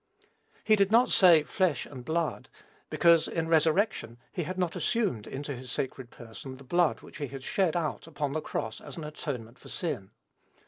He did not say, "flesh and blood;" because, in resurrection, he had not assumed into his sacred person the blood which he had shed out upon the cross as an atonement for sin.